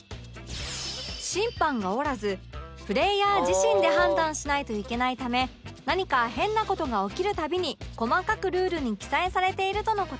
審判がおらずプレーヤー自身で判断しないといけないため何か変な事が起きる度に細かくルールに記載されているとの事